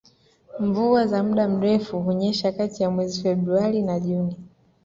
Mvua za muda mrefu hunyesha kati ya mwezi Februari na Juni